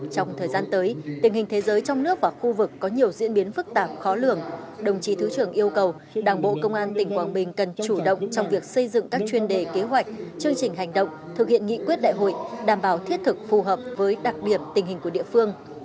trong thời gian tới tình hình thế giới trong nước và khu vực có nhiều diễn biến phức tạp khó lường đồng chí thứ trưởng yêu cầu đảng bộ công an tỉnh quảng bình cần chủ động trong việc xây dựng các chuyên đề kế hoạch chương trình hành động thực hiện nghị quyết đại hội đảm bảo thiết thực phù hợp với đặc điểm tình hình của địa phương